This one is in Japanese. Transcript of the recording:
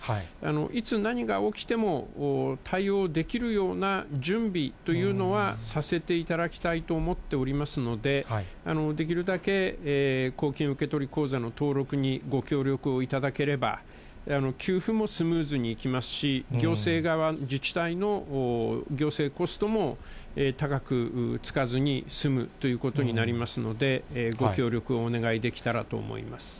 いつ、何が起きても、対応できるような準備というのは、させていただきたいと思っておりますので、できるだけ、公金受取口座の登録にご協力をいただければ、給付もスムーズにいきますし、行政側、自治体の行政コストも高くつかずに済むということになりますので、ご協力をお願いできたらと思います。